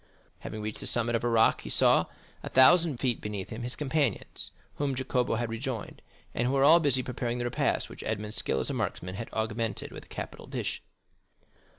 Having reached the summit of a rock, he saw, a thousand feet beneath him, his companions, whom Jacopo had rejoined, and who were all busy preparing the repast which Edmond's skill as a marksman had augmented with a capital dish.